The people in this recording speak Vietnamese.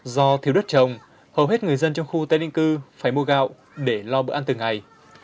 do thiếu đất trồng hầu hết người dân trong khu tây ninh cư phải mua gạo để lo bữa ăn từng ngày